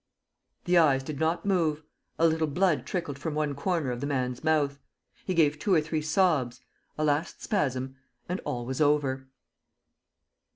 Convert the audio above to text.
..." The eyes did not move. A little blood trickled from one corner of the man's mouth. ... He gave two or three sobs. ... A last spasm; and all was over